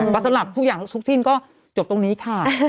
แล้วสำหรับทุกอย่างทุกสิ้นก็จบตรงนี้ค่ะ